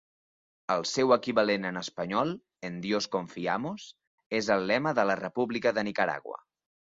El seu equivalent en espanyol, "En Dios Confiamos", és el lema de la República de Nicaragua.